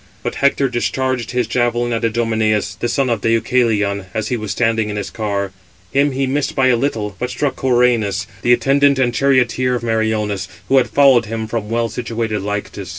But he [Hector] discharged his javelin at Idomeneus, the son of Deucalion, as he was standing in his car: him he missed by a little, but struck Coeranus, the attendant and charioteer of Meriones, who had followed him from well situated Lyctus.